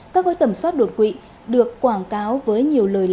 các gói tầm soát đột quỵ được quảng cáo với nhiều lời lệnh